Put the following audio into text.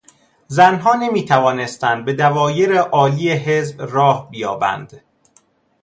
زنها نمیتوانستند به دوایر عالی حزب راه بیابند.